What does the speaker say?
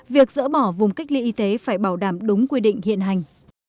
việc dỡ bỏ vùng cách ly y tế phải bảo đảm đúng quy định hiện hành